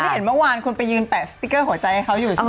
เห็นเมื่อวานคุณไปยืนแปะสติ๊กเกอร์หัวใจให้เขาอยู่ใช่ไหม